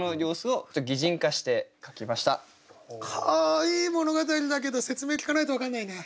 はあいい物語だけど説明聞かないと分かんないな。